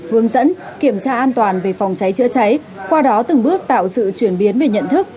hướng dẫn kiểm tra an toàn về phòng cháy chữa cháy qua đó từng bước tạo sự chuyển biến về nhận thức